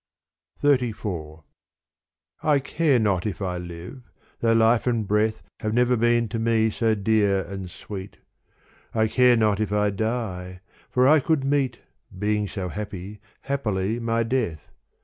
XXXIV I CARE not if I live, though life and breath Have never been to me so dear and sweet, I care not if I die, for I could meet — Being so happy — happily my death.